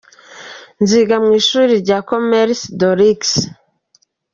Nziga mu ishami rya Commerce de Luxe”.